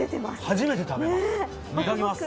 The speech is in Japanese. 初めて食べます。